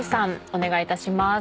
お願いいたします。